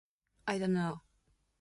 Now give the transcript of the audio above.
I dunno.